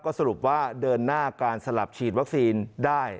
สรุปว่าเดินหน้าการสลับฉีดวัคซีนได้